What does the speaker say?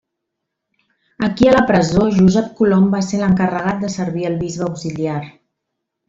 Aquí a la presó Josep Colom va ser l'encarregat de servir el Bisbe auxiliar.